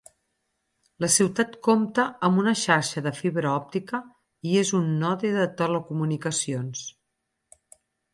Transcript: La ciutat compta amb una xarxa de fibra òptica i és un node de telecomunicacions.